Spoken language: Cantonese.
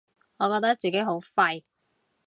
我覺得自己好廢